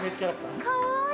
かわいい！